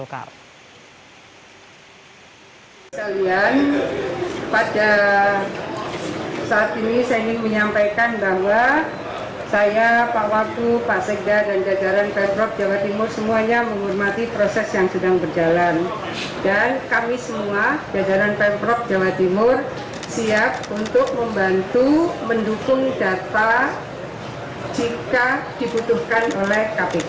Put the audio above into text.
kofifah mengaku pemprov jawa timur siap membantu dan menyediakan data jika dibutuhkan oleh kpk